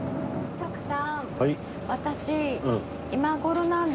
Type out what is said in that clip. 徳さん